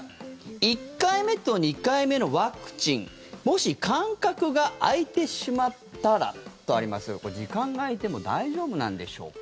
１回目と２回目のワクチンもし間隔が空いてしまったらとありますがこれ、時間が空いても大丈夫なんでしょうか。